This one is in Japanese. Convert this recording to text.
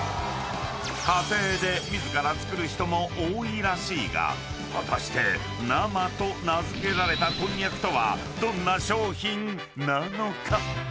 ［家庭で自ら作る人も多いらしいが果たして生と名付けられたこんにゃくとはどんな商品なのか？］